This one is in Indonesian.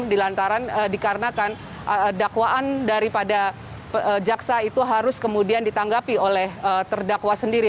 dikarenakan dakwaan daripada jaksa itu harus kemudian ditanggapi oleh terdakwa sendiri